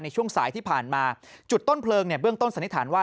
ช่วงสายที่ผ่านมาจุดต้นเพลิงเนี่ยเบื้องต้นสันนิษฐานว่า